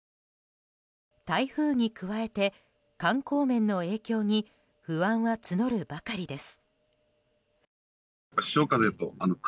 台風に加えて、観光面の影響に不安は募るばかりです。